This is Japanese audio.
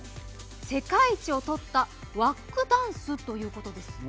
世界一を獲ったワックダンスということですが。